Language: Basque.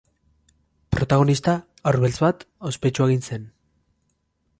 Protagonista, haur beltz bat, ospetsua egin zen.